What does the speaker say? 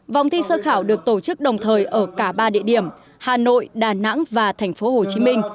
vòng thi sơ khảo được tổ chức đồng thời ở cả ba địa điểm hà nội đà nẵng và tp hcm